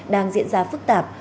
đang diễn ra phức tạp